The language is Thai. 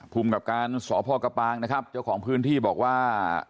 ภูมิกับการสพกระปางนะครับเจ้าของพื้นที่บอกว่า